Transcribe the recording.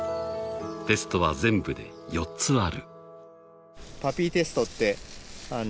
［テストは全部で４つある］